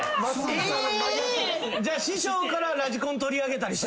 じゃあ師匠からラジコン取り上げたりしてるんだ？